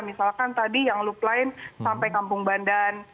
misalkan tadi yang lup lain sampai kampung bandan